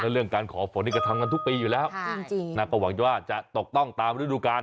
เรื่องการขอฝนนี่ก็ทำกันทุกปีอยู่แล้วก็หวังว่าจะตกต้องตามฤดูกาล